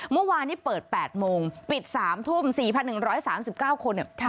เมื่อวานที่เปิดแปดโมงปิดสามทุ่มสี่พันหนึ่งร้อยสามสิบเก้าคนเนี่ย